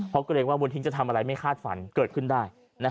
เพราะเกรงว่าบนทิ้งจะทำอะไรไม่คาดฝันเกิดขึ้นได้